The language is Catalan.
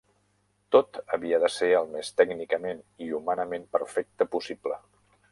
Tot havia de ser el més tècnicament i humanament perfecte possible.